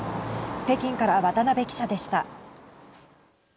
北京から渡辺記者でした。